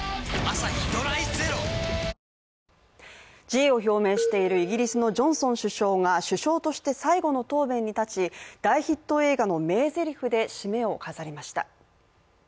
辞意を表明しているイギリスのジョンソン首相が首相として最後の答弁に立ち大ヒット映画の名ゼリフで締めを飾りました。